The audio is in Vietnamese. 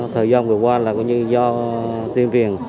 thời gian vừa qua là do tiêm truyền